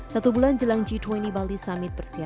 satu bulan jelang g dua puluh bali summit persiapan